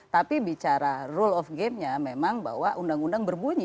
tapi bicara rule of game nya memang bahwa undang undang berbunyi